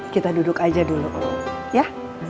kita duduk aja dulu oh ya